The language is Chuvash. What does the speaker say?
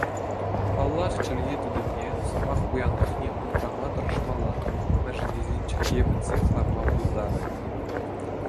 Паллах чӗлхе тытӑмне, сӑмах пуянлӑхне упрама тӑрӑшмалла, мӗншӗн тесен чӗлхе пӗтсех ларма пултарӗ.